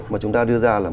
mà chúng ta đưa ra là